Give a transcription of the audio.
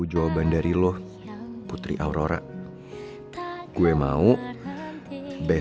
udah lu jangan ikutin gue